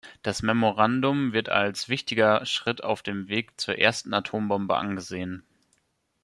Das Memorandum wird als wichtiger Schritt auf dem Weg zur ersten Atombombe angesehen.